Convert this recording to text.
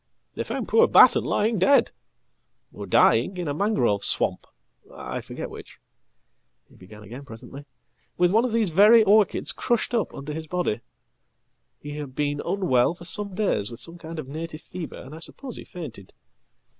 ""They found poor Batten lying dead, or dying, in a mangrove swamp Iforget which," he began again presently, "with one of these very orchidscrushed up under his body. He had been unwell for some days with some kindof native fever, and I suppose he fainted.